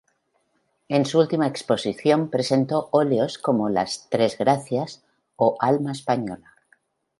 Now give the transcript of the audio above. En su última exposición presentó óleos como ""Las Tres Gracias"" o ""Alma española"".